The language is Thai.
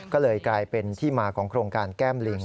ก็เลยกลายเป็นที่มาของโครงการแก้มลิง